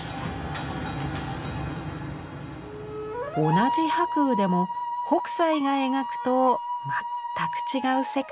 同じ白雨でも北斎が描くと全く違う世界に。